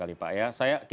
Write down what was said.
terima kasih banyak